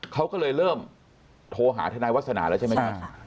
เขาก็เลยเริ่มโทรหาทนายวาสนาแล้วใช่ไหมครับ